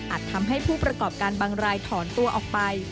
ทำให้ผู้ประกอบการบางรายถอนตัวออกไป